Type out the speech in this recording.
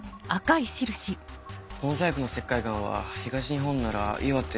このタイプの石灰岩は東日本なら岩手